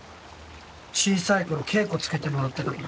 小さいころ稽古つけてもらってたから。